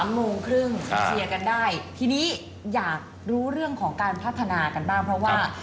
โมงครึ่งเชียร์กันได้ทีนี้อยากรู้เรื่องของการพัฒนากันบ้างเพราะว่า